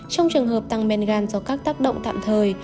trong trường hợp tăng men gan do các tác động tạm thời